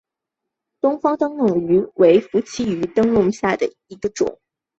东方灯笼鱼为辐鳍鱼纲灯笼鱼目灯笼鱼科的其中一种。